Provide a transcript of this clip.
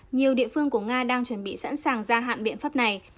nhiều địa phương của nga đang chuẩn bị sẵn sàng gia hạn biện pháp này